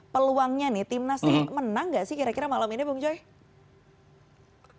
peluangnya nih tim nas ini menang nggak sih kira kira malam ini bung joy